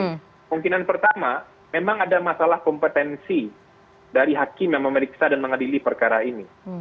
kemungkinan pertama memang ada masalah kompetensi dari hakim yang memeriksa dan mengadili perkara ini